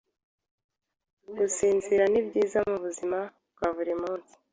Gusinzira nibyiza mubuzima bwaburi munsi